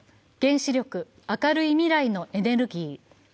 「原子力明るい未来のエネルギー」。